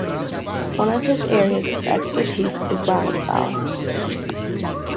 One of his areas of expertise is wildfowl.